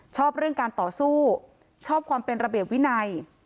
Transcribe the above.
ชอบเรื่องการต่อสู้ชอบความเป็นระเบียบวินัย